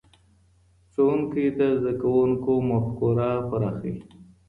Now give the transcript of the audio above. ښوونکی د زدهکوونکو مفکوره پراخوي.